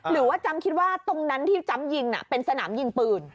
หรือว่าจำคิดว่าตรงนั้นที่จำยิงเป็นสนามยิงปืน